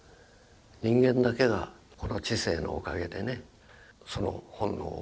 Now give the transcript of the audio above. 人間だけがこの知性のおかげでねその本能をなくしちゃってる。